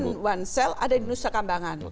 one man one sale ada di nusa kambangan